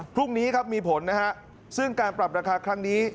พรุ่งนี้ครับมีผลนะฮะซึ่งการปรับราคาครั้งนี้